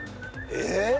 えっ！？